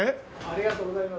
ありがとうございます。